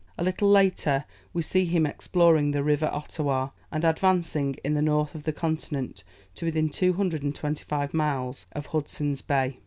A little later, we see him exploring the river Ottawa, and advancing, in the north of the continent, to within 225 miles of Hudson's Bay.